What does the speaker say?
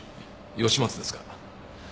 吉松ですが。